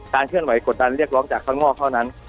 เคลื่อนไหวกดดันเรียกร้องจากข้างนอกเท่านั้น